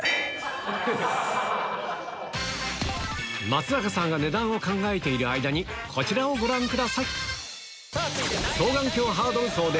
松坂さんが値段を考えている間にこちらをご覧ください